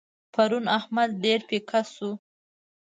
پرون احمد ډېر پيکه شو.